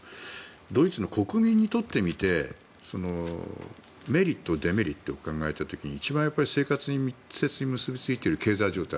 ドイツの国民にとってみてメリット、デメリットを考えた時に一番、生活に密接に結びついている経済状態。